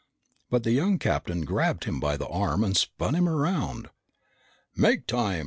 But the young captain grabbed him by the arm and spun him around. "Make time!"